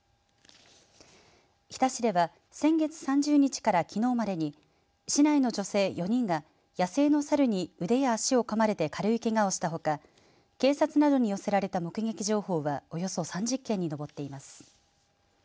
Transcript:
日田市では、先月３０日からきのうまでに市内の女性４人が野生のサルに腕や脚をかまれて軽いけがをしたほか警察などに寄せられた目撃情報はおよそ３０件に上っています。